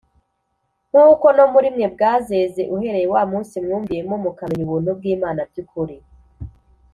nk’uko no muri mwe bwazeze uhereye wa munsi mwumviyemo mukamenya ubuntu bw’Imana by’ukuri